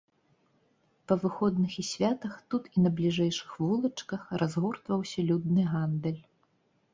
Па выходных і святах тут і на бліжэйшых вулачках разгортваўся людны гандаль.